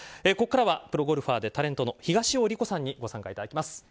ここからはプロゴルファーでタレントの東尾理子さんにご参加いただきます。